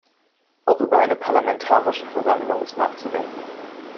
Auch über eine parlamentarische Versammlung ist nachzudenken.